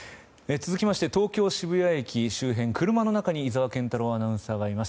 続きまして、東京・渋谷駅周辺車の中に井澤健太朗アナウンサーがいます。